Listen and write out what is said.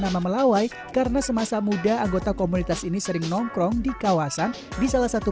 nama melawai karena semasa muda anggota komunitas ini sering nongkrong di kawasan di salah satu